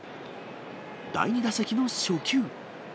第２打席の初球。